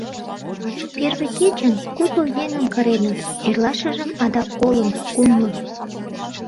Первый кечын кудло еҥым кыреныт, эрлашыжым адак колым, кумлым...